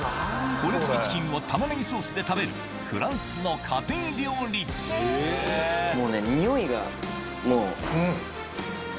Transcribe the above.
骨付きチキンをタマネギソースで食べるフランスの家庭料理もうね。